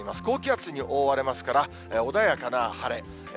高気圧に覆われますから、穏やかな晴れ。